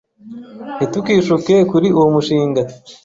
Ntitukishuke kuri uwo mushinga.